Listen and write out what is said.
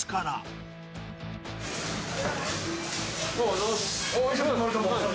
おはようございます。